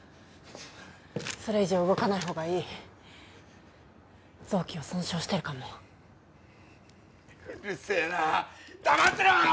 それ以上動かない方がいい臓器を損傷してるかもうるせえな黙ってろ！